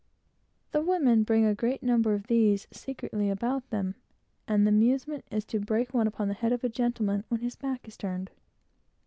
The women bring a great number of these secretly about them, and the amusement is to break one upon the head of a gentleman when his back is turned.